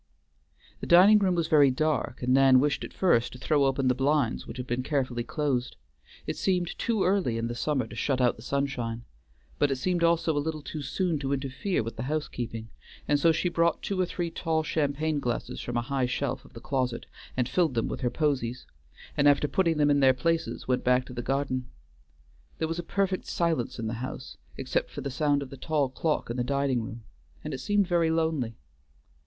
The dining room was very dark, and Nan wished at first to throw open the blinds which had been carefully closed. It seemed too early in the summer to shut out the sunshine, but it seemed also a little too soon to interfere with the housekeeping, and so she brought two or three tall champagne glasses from a high shelf of the closet and filled them with her posies, and after putting them in their places, went back to the garden. There was a perfect silence in the house, except for the sound of the tall clock in the dining room, and it seemed very lonely.